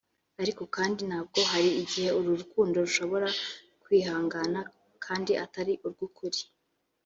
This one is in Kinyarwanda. Ariko kandi nabwo hari igihe uru rukundo rushobora kwihangana kandi atari urw’ukuri